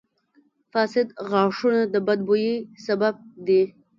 • فاسد غاښونه د بد بوي سبب دي.